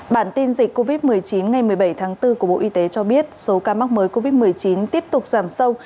bản tin dịch covid một mươi chín ngày một mươi bảy tháng bốn của bộ y tế cho biết số ca mắc mới covid một mươi chín tiếp tục giảm sâu